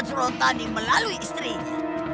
surotani melalui istrinya